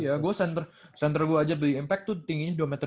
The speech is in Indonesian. iya gua center center gua aja di impact tuh tingginya dua meter lima belas